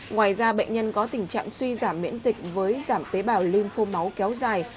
ngoài ra bệnh nhân có tình trạng suy giảm miễn dịch với giảm tế bào lymphomáu kéo dài